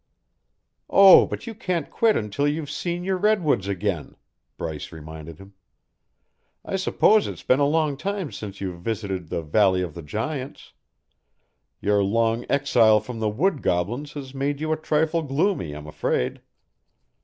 "Oh, but you can't quit until you've seen your redwoods again," Bryce reminded him. "I suppose it's been a long time since you've visited the Valley of the Giants; your long exile from the wood goblins has made you a trifle gloomy, I'm afraid."